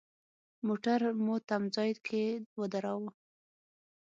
موټر مو تم ځای کې ودراوه.